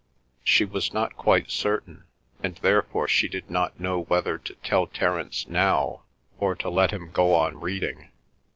She was not quite certain, and therefore she did not know, whether to tell Terence now, or to let him go on reading.